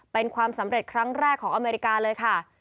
เป็นความสำเร็จครั้งแรกของอเมริกาเลยค่ะ